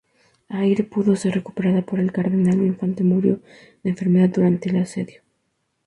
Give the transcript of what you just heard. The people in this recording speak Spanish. Aire pudo ser recuperada, pero el Cardenal-Infante murió de enfermedad durante el asedio.